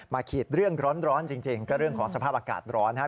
ขีดเรื่องร้อนจริงก็เรื่องของสภาพอากาศร้อนนะครับ